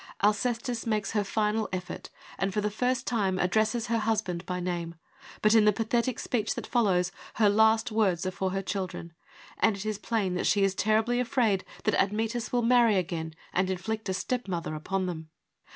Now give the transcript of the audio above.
Alcestis makes her final effort, and for the first time addresses her husband by name, but in the pathetic speech that follows, her last words are for her children, and it is plain that she is terribly afraid that Admetus will marry again and inflict a step mother upon them.